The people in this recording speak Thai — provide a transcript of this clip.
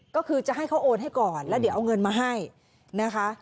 ก็คือจะให้เขาโอนให้ก่อนแล้วเดี๋ยวเอาเงินมาให้นะคะ